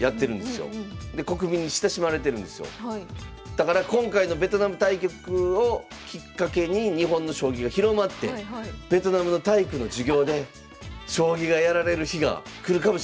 だから今回のベトナム対局をきっかけに日本の将棋が広まってベトナムの体育の授業で将棋がやられる日が来るかもしれない。